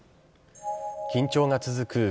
緊張が続く